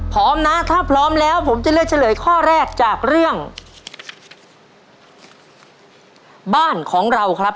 พร้อมนะถ้าพร้อมแล้วผมจะเลือกเฉลยข้อแรกจากเรื่อง